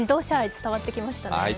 伝わってきましたね。